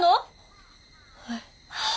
はい。